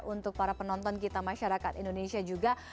untuk para penonton kita masyarakat indonesia juga